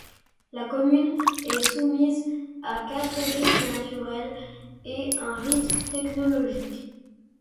La commune est soumise à quatre risques naturels et un risque technologique.